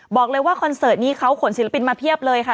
บอกเลยว่าคอนเสิร์ตนี้เขาขนศิลปินมาเพียบเลยค่ะ